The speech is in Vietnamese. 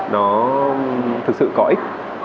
nó thực sự có ích